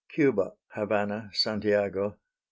Cuba (Havana, Santiago.) 2.